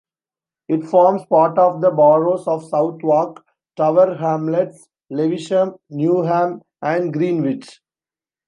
It forms part of the boroughs of Southwark, Tower Hamlets, Lewisham, Newham and Greenwich.